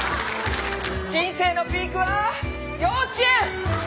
人生のピークは幼稚園。